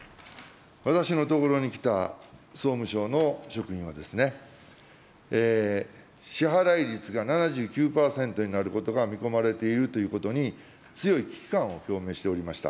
私のところに来た総務省の職員は、支払い率が７９％になることが見込まれているということに、強い危機感を表明しておりました。